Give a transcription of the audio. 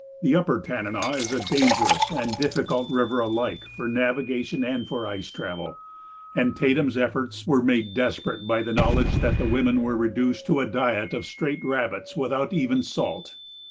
The upper Tanana is a dangerous and difficult river alike for navigation and for ice travel, and Tatum's efforts were made desperate by the knowledge that the women were reduced to a diet of straight rabbits without even salt.